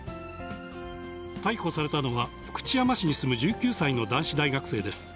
逮捕されたのは、福知山市に住む１９歳の男子大学生です。